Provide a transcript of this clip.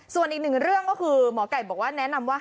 ส่วนตอนอีกเรื่องคุณคุณหมอกัยบอกว่าแนะนำว่า